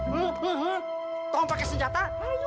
tunggu pakai senjata